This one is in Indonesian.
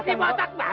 si botak mati